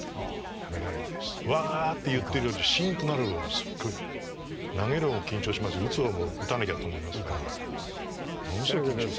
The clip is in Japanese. わって言ってるよりシンとなる方がすっごい投げる方も緊張しますが打つ方も打たなきゃと思いますからものすごい緊張する。